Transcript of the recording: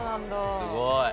すごい！